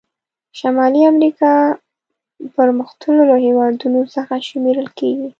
شمالي امریکا پرمختللو هېوادونو څخه شمیرل کیږي.